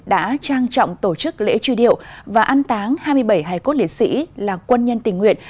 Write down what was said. đã trang trọng tổ chức lễ truy điệu và an táng hai mươi bảy hải cốt liệt sĩ là quân nhân tình nguyện